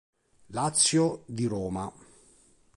Lazio, di Roma.